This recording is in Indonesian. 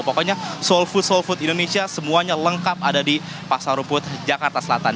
pokoknya sol food sol food indonesia semuanya lengkap ada di pasar rumput jakarta selatan